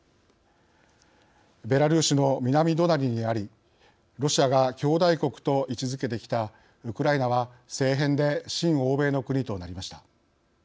ベラルーシの南隣にありロシアが兄弟国と位置づけてきたウクライナは政変で親欧米の国となりました。